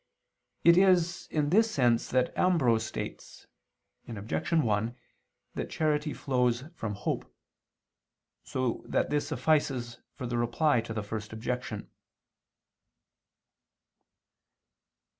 It is in this sense that Ambrose states (Obj. 1) that charity flows from hope: so that this suffices for the Reply to the First Objection.